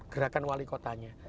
gerakan wali kotanya